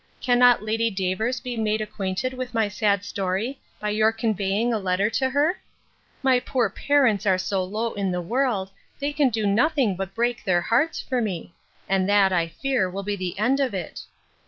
Cannot Lady Davers be made acquainted with my sad story, by your conveying a letter to her? My poor parents are so low in the world, they can do nothing but break their hearts for me; and that, I fear, will be the end of it.